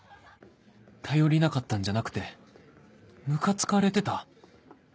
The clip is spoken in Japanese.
頼りなかったんじゃなくてムカつかれてた？